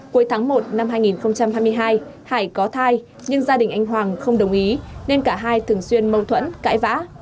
cuối tháng một năm hai nghìn hai mươi hai hải có thai nhưng gia đình anh hoàng không đồng ý nên cả hai thường xuyên mâu thuẫn cãi vã